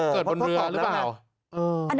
เกิดบนเรือหรือเปล่า